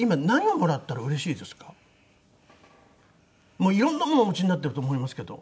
もういろんなものをお持ちになってると思いますけど。